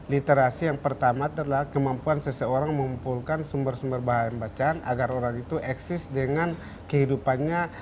literasi yang pertama adalah kemampuan seseorang mengumpulkan sumber sumber bahan bacaan agar orang itu eksis dengan kehidupannya